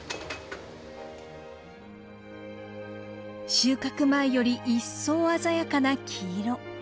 収穫前より一層鮮やかな黄色。